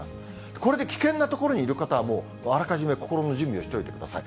これで危険な所にいる方はもうあらかじめ心の準備をしておいてください。